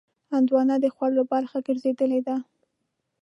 هندوانه د خوړو برخه ګرځېدلې ده.